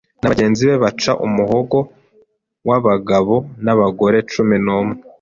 na bagenzi be baca umuhogo w'abagabo n'abagore cumi n'umwe.